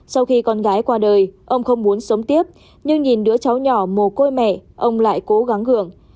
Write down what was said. sau khi con gái qua đời ông không muốn sống tiếp nhưng nhìn đứa cháu nhỏ mồ côi mẹ ông lại cố gắng hưởng